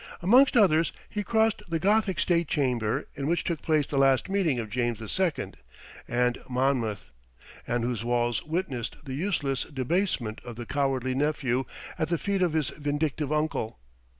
Amongst others, he crossed that Gothic state chamber in which took place the last meeting of James II. and Monmouth, and whose walls witnessed the useless debasement of the cowardly nephew at the feet of his vindictive uncle.